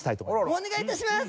お願い致します！